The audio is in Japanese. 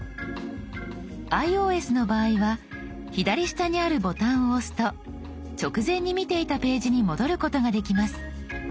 ｉＯＳの場合は左下にあるボタンを押すと直前に見ていたページに戻ることができます。